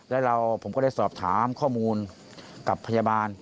แล้วผมก็ได้สอบถามข้อมูลกับพยาบาล